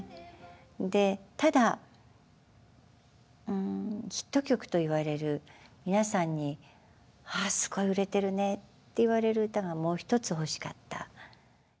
でただヒット曲と言われる皆さんに「ああすごい売れてるね」って言われる歌がもうひとつ欲しかった。